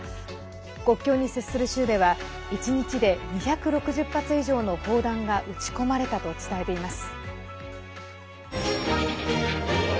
国境に接する州では１日で２６０発以上の砲弾が撃ち込まれたと伝えています。